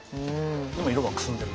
でも色はくすんでる。